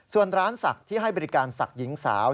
ส่วนร้านสักที่ให้บริการสักหญิงสาว